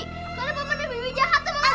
karena paman dan bibi jahat sama lala